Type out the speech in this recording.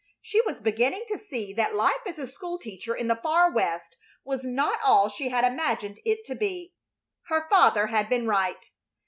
She was beginning to see that life as a school teacher in the far West was not all she had imagined it to be. Her father had been right.